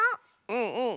うんうん！